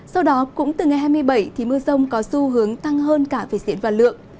sau đó cũng từ ngày hai mươi bảy thì mưa rông có xu hướng tăng hơn cả về diện và lượng